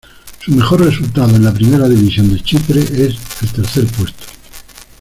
Su mejor resultado en la Primera División de Chipre es el tercer puesto.